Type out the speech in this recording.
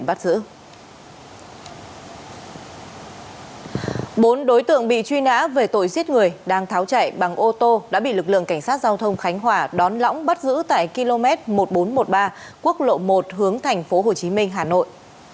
bốn đối tượng bị truy nã về tội giết người đang tháo chạy bằng ô tô đã bị lực lượng cảnh sát giao thông khánh hòa đón lõng bắt giữ tại km một nghìn bốn trăm một mươi ba quốc lộ một hướng tp hcm hà nội